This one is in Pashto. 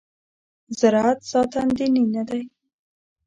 زراعت ذاتاً دیني نه دی.